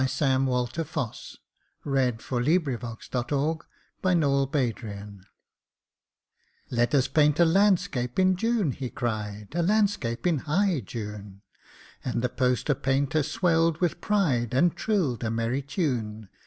Sam Walter Foss The Poster Painter's Masterpiece "LET us paint a landscape in June," he cried; "A Landscape in high June." And the poster painter swelled with pride And trilled a merry tune.